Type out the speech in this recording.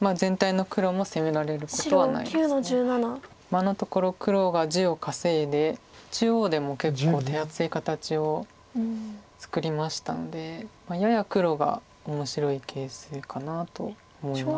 今のところ黒が地を稼いで中央でも結構手厚い形を作りましたのでやや黒が面白い形勢かなと思います。